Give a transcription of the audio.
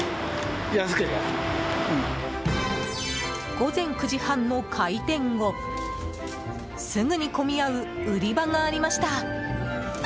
午前９時半の開店後すぐに混み合う売り場がありました。